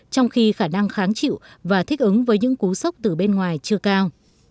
trong khi khả năng kháng chịu và thích ứng với những cú sốc từ bên ngoài chưa cao